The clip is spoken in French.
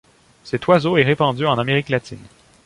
Cet oiseau est répandu en Amérique latine.